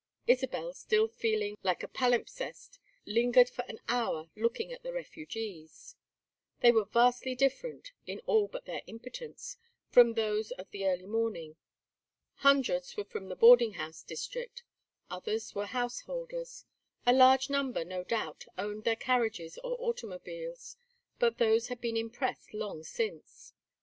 Isabel, still feeling like a palimpsest, lingered for an hour looking at these refugees. They were vastly different, in all but their impotence, from those of the early morning. Hundreds were from the "boarding house district"; others were householders; a large number, no doubt, owned their carriages or automobiles, but those had been impressed long since.